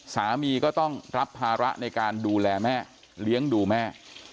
สามีก็ต้องรับภาระในการดูแลแม่เลี้ยงดูแม่